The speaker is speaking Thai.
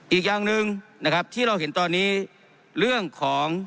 อีกอย่างหนึ่งนะครับที่เราเห็นตอนนี้เรื่องของ